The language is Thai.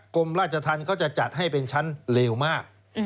กรมราชทันก็จะจัดให้เป็นชั้นเลวมาก